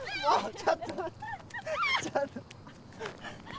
ちょっと